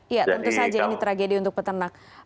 ya tentu saja ini tragedi untuk peternak